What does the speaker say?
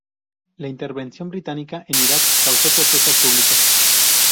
La intervención británica en Iraq causó protestas públicas.